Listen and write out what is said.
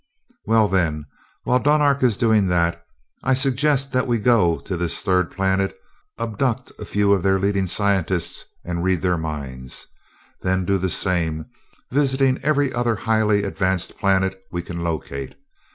"Well, then, while Dunark is doing that, I suggest that we go to this Third Planet, abduct a few of their leading scientists, and read their minds. Then do the same, visiting every other highly advanced planet we can locate.